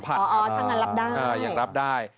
อ๋อทางนั้นรับได้อยากรับได้